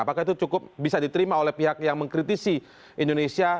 apakah itu cukup bisa diterima oleh pihak yang mengkritisi indonesia